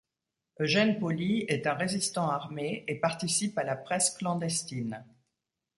Eugène Pauly est un résistant armé et participe à la presse clandestine.